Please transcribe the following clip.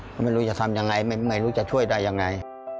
ผมไม่รู้จะทำอย่างไรไม่รู้จะช่วยได้อย่างไร